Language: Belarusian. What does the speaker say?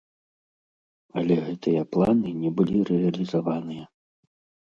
Але гэтыя планы не былі рэалізаваныя.